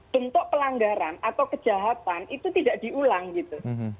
bentuk pelanggaran atau kejahatan itu tidak diulang gitu